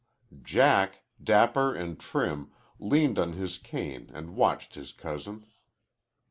Jack, dapper and trim, leaned on his cane and watched his cousin.